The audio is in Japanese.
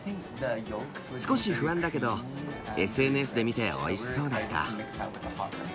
少し不安だけど、ＳＮＳで見ておいしそうだった。